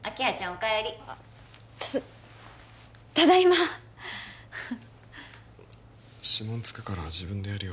おかえりあったただいま指紋つくから自分でやるよ